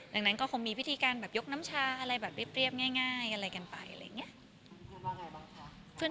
ดังนั้นก็คงมีพิธีการแบบยกน้ำชาอะไรแบบเรียบง่ายอะไรกันไปอะไรอย่างนี้